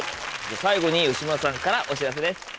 最後に吉村さんからお知らせです。